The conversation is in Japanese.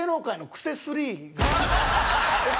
クセ３？